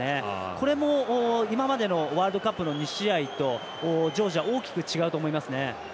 これも、今までのワールドカップの２試合とジョージア大きく違うと思いますね。